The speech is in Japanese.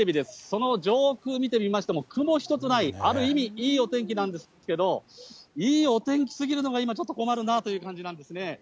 その上空見てみましても、雲一つない、ある意味、いいお天気なんですけど、いいお天気すぎるのが、今、困るなという感じなんですね。